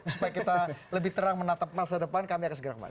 supaya kita lebih terang menatap masa depan kami akan segera kembali